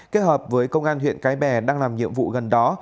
kết hợp với công an huyện cái bè đang làm nhiệm vụ gần đó